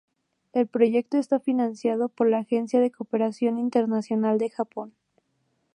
El proyecto está financiado por la Agencia de Cooperación Internacional del Japón.